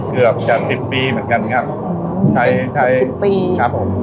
เกือบจะสิบปีเหมือนกันครับใช้ใช้สิบปีครับผม